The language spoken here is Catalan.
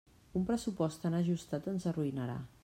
Un pressupost tan ajustat ens arruïnarà.